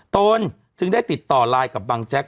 ตนจึงได้ติดต่อไลน์กับบังแจ๊ก